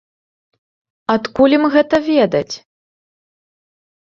Адкуль ім гэта ведаць?